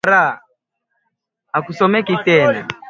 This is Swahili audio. ugonjwa wa kisukari una tiba mbalimbali